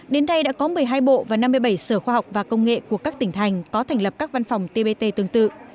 đến đây đã có một mươi hai bộ và năm mươi bảy sở khoa học và công nghệ của các tỉnh thành có thành lập các văn phòng tbt tương tự